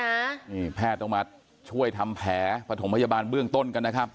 นี่แพทย์ต้องมาช่วยทำแผลประถมพยาบาลเบื้องต้นกันนะครับ